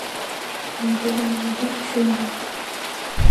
Мый тыгай мотор чурийым